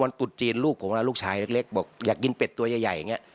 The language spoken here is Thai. วันตุดจีนลูกผมลูกชายเล็กบอกอยากกินเป็ดตัวใหญ่